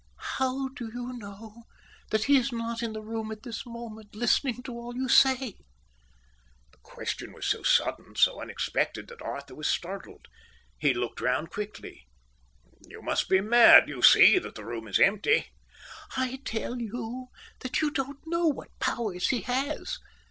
"How do you know that he is not in the room at this moment, listening to all you say?" The question was so sudden, so unexpected, that Arthur was startled. He looked round quickly. "You must be mad. You see that the room is empty." "I tell you that you don't know what powers he has.